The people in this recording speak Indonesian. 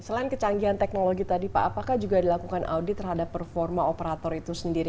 selain kecanggihan teknologi tadi pak apakah juga dilakukan audit terhadap performa operator itu sendiri